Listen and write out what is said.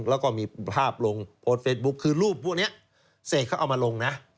แล้วก็มีภาพลงโพสต์เฟซบุ๊คคือรูปพวกนี้เสกเขาเอามาลงนะ